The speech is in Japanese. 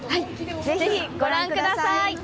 ぜひご覧ください。